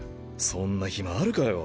そんな暇あるかよ。